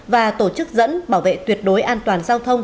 và tổ chức dẫn bảo vệ tuyệt đối an toàn giao thông